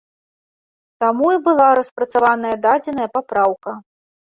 Таму і была распрацаваная дадзеная папраўка.